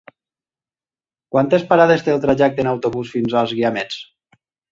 Quantes parades té el trajecte en autobús fins als Guiamets?